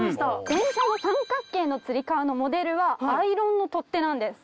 電車の三角形のつり革のモデルはアイロンの取っ手なんです。